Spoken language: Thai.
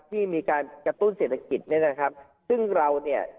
ที่มีการกระตุ้นเศรษฐกิจเนี่ยนะครับซึ่งเราเนี่ย